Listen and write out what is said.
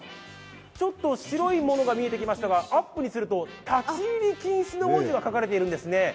ちょっと白いものが見えてきましたがアップにすると立ち入り禁止の看板があるんですね。